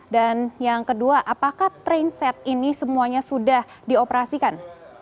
dan yang kedua apakah trainset ini semuanya sudah dioperasikan